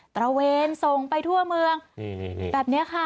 ระเวนส่งไปทั่วเมืองแบบนี้ค่ะ